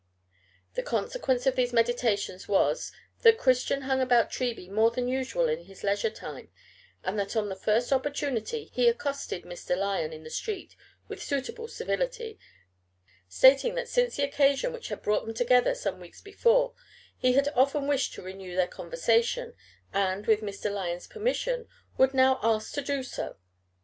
The consequence of these meditations was, that Christian hung about Treby more than usual in his leisure time, and that on the first opportunity he accosted Mr. Lyon in the street with suitable civility, stating that since the occasion which had brought them together some weeks before he had often wished to renew their conversation, and, with Mr. Lyon's permission, would now ask to do so.